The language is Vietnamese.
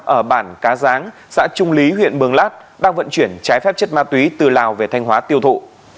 ở bản cá giáng xã trung lý huyện mường lát đang vận chuyển trái phép chất ma túy từ lào về thanh hóa tiêu thụ